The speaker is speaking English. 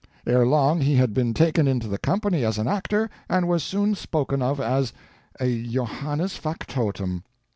Ere long he had been taken into the company as an actor, and was soon spoken of as a 'Johannes Factotum.